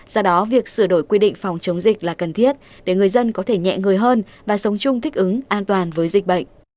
do đó việc sửa đổi quy định phòng chống dịch là cần thiết để người dân có thể nhẹ người hơn và sống chung thích ứng an toàn với dịch bệnh